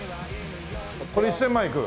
これ１０００万いく？